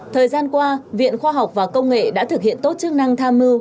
thời gian qua viện khoa học và công nghệ đã thực hiện tốt chức năng tham mưu